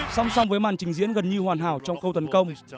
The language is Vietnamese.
song song với màn trình diễn gần như hoàn hảo trong khâu tấn công